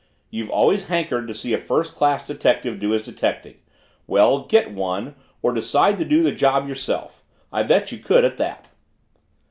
"You've always hankered to see a first class detective do his detecting well, get one or decide to do the job yourself. I'll bet you could at that."